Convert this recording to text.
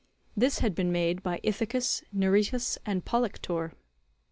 This had been made by Ithacus, Neritus, and Polyctor.